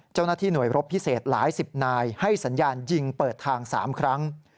เจ้าหน้าที่หน่วยรบพิเศษหลายสิบนายให้สัญญาณยิงเปิดทาง๓ครั้ง